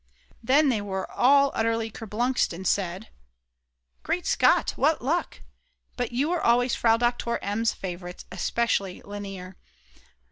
Then they were all utterly kerblunxed and said: "Great Scott, what luck, but you always were Frau Doktor M.'s favourites, especially Lainer.